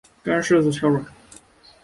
干柿子挑软的